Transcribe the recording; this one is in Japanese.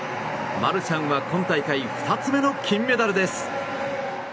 マルシャンは今大会２つ目の金メダルです。